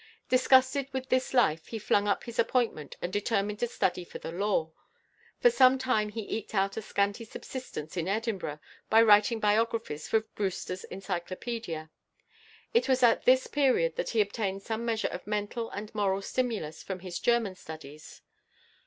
Disgusted with this life he flung up his appointment, and determined to study for the law. For some time he eked out a scanty subsistence in Edinburgh by writing biographies for Brewster's Encyclopædia. It was at this period that he obtained some measure of mental and moral stimulus from his German studies.